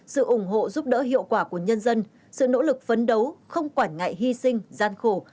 sự ủng hộ giúp đỡ hiệu quả của nhân dân sự nỗ lực phấn đấu không quản ngại hy sinh gian khổ